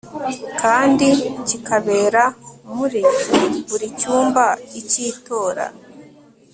kandi kikabera muri buri cyumba cy itora